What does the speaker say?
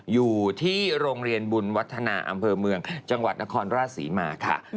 อยู่ที่โรงเรียนบุญวัฒนาอำเภอเมืองจังหวัดนครราชศรีมาค่ะ